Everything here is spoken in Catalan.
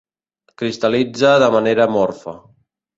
Cristal·litza de manera amorfa.